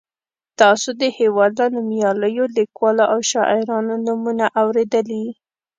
تاسو د هېواد له نومیالیو لیکوالو او شاعرانو نومونه اورېدلي.